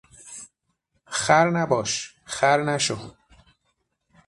خر نباش، خر نشو!